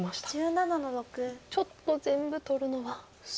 ちょっと全部取るのは無理と。